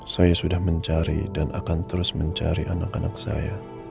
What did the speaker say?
saya sudah mencari dan akan terus mencari anak anak saya